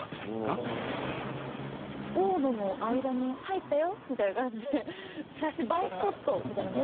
大野の間に入ったよみたいな感じで映えスポットみたいな感じ。